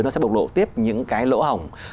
nó sẽ bộc lộ tiếp những cái lỗ hỏng